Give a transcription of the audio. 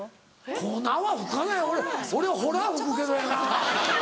粉は吹かない俺ほら吹くけどやな。